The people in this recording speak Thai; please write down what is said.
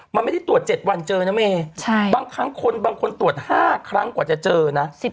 มันไม่ได้ตรวจ๗วันเจอนะเมย์บางครั้งคนบางคนตรวจ๕ครั้งกว่าจะเจอนะ